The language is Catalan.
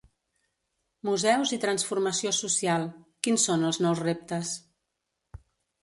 Museus i transformació social: quins són els nous reptes?